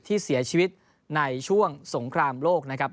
ที่เสียชีวิตในช่วงสงครามโลกนะครับ